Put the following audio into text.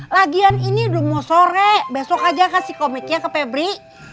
lagian ini udah mau sore besok aja kasih komiknya ke pebri